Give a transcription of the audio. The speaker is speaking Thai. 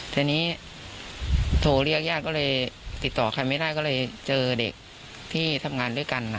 ทีนี้โทรเรียกญาติก็เลยติดต่อใครไม่ได้ก็เลยเจอเด็กที่ทำงานด้วยกัน